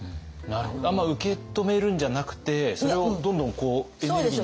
あんま受け止めるんじゃなくてそれをどんどんエネルギーに変えていく？